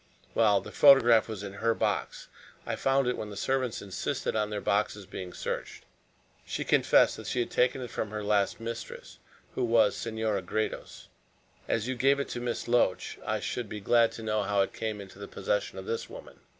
"Well, the photograph was in her box. I found it when the servants insisted on their boxes being searched. She confessed that she had taken it from her last mistress, who was Senora Gredos. As you gave it to Miss Loach, I should be glad to know how it came into the possession of this woman."